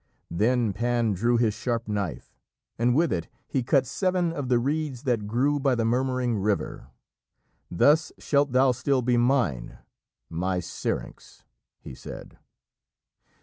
Then Pan drew his sharp knife, and with it he cut seven of the reeds that grew by the murmuring river. "Thus shalt thou still be mine, my Syrinx," he said.